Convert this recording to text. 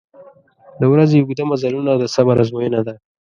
• د ورځې اوږده مزلونه د صبر آزموینه ده.